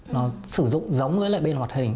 nó sử dụng giống với lại bên hoạt hình